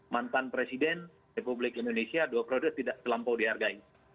mantan presiden republik indonesia dua periode tidak terlampau dihargai